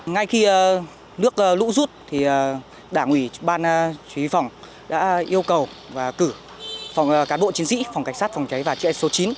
ngay khi nước lũ rút đảng ủy ban chí phòng đã yêu cầu và cử cán bộ chiến sĩ phòng cảnh sát phòng cháy và chế số chín